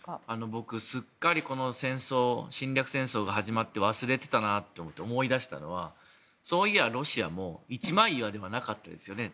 僕、すっかりこの侵略戦争が始まって忘れていたなと思って思い出したのはそういやロシアも一枚岩ではなかったですよね。